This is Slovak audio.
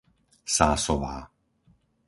Sásová